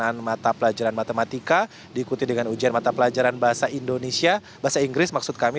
ujian mata pelajaran matematika diikuti dengan ujian mata pelajaran bahasa indonesia bahasa inggris maksud kami